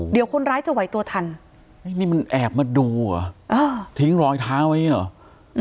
เดี๋ยวคนร้ายจะไหวตัวทันนี่มันแอบมาดูอ่ะทิ้งรอยเท้าไอ้นี่หรอ